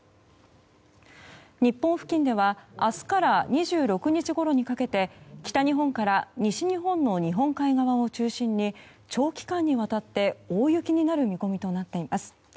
日本付近では明日から２６日ごろにかけて北日本から西日本の日本海側を中心に長期間にわたって大雪になる見込みとなっています。